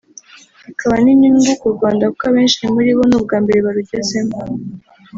bikaba n’inyungu ku Rwanda kuko abenshi muri bo n’ubwa mbere barugezemo